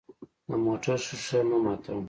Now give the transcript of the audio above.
د موټر شیشه مه ماتوه.